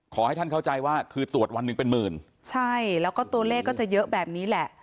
ขอให้ท่านเข้าใจว่าคือตรวจวันหนึ่งเป็นหมื่นใช่แล้วก็ตัวเลขก็จะเยอะแบบนี้แหละ